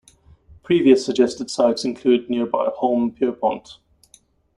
Previous suggested sites included nearby Holme Pierrepont.